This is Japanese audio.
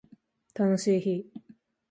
楽しい日